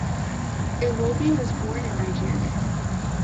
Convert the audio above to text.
Iwobi was born in Nigeria.